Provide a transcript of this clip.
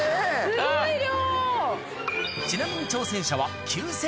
すごい量！